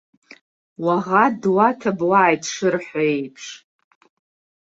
Уаӷа дуаҭабуааит шырҳәо еиԥш.